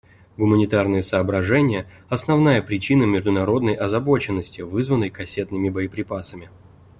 Гуманитарные соображения — основная причина международной озабоченности, вызванной кассетными боеприпасами.